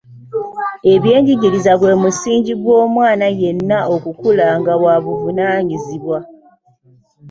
Ebyenjigiriza gwe musingi gw’omwana yenna okukula nga wa buvunaanyizibwa.